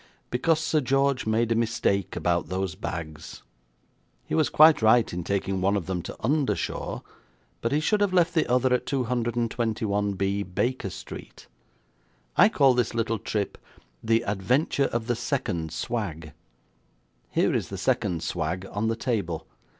Because Sir George made a mistake about those bags. He was quite right in taking one of them to 'Undershaw', but he should have left the other at 221B, Baker Street. I call this little trip 'The Adventure of the Second Swag'. Here is the second swag on the table.